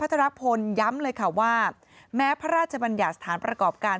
พัฒนาพลย้ำเลยค่ะว่าแม้พระราชจบรรยาสถานประกอบการ